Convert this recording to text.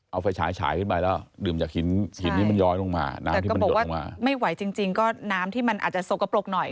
เอาไฟฉายฉายขึ้นไปแล้วดื่มจากหินหินนี้มันย้อยลงมานะแต่ก็บอกว่าไม่ไหวจริงจริงก็น้ำที่มันอาจจะสกปรกหน่อย